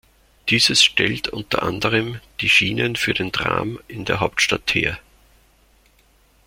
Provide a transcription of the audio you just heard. Dieses stellt unter anderem die Schienen für den Tram in der Hauptstadt her.